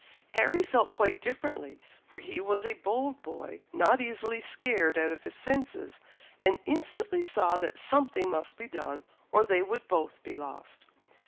Harry felt quite differently, for he was a bold boy, not easily scared out of his senses, and instantly saw that something must be done, or they would both be lost.